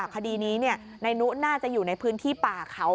คดีนี้นายนุน่าจะอยู่ในพื้นที่ป่าเขา